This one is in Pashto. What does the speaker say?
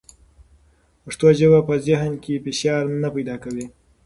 پښتو ژبه په ذهن کې فشار نه پیدا کوي.